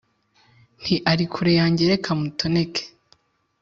Nti " ari kure yanjye reka mutoneke ",